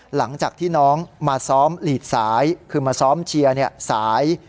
หลังจากที่น้องมาซ้อมหลีดสายคือมาซ้อมเชียร์สาย